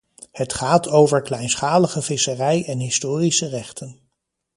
Het gaat over kleinschalige visserij en historische rechten.